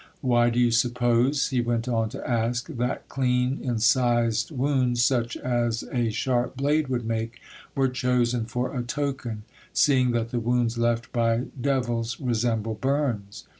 Why do you suppose," he went on to ask, "that clean incised wounds, such as a sharp blade would make, 'were chosen for a token, seeing that the wounds left by devils resemble burns?